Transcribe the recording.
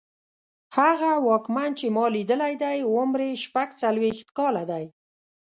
هغه واکمن چې ما لیدلی دی عمر یې شپږڅلوېښت کاله دی.